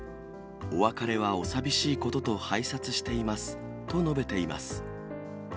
お別れはお寂しいことと拝察していますと述べています。